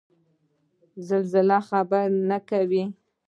زلزله خبر نه کوي